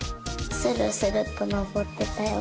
スルスルとのぼってたよ。